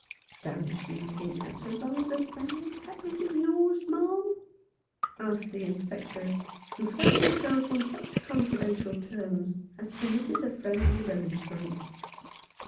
" Don't you think that's rather a bad habit of yours, ma'am ?" asked the Inspector, who felt himself on such confidential terms as permitted a friendly remonstrance.